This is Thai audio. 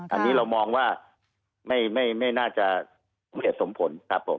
อันนี้เรามองว่าไม่น่าจะเหตุสมผล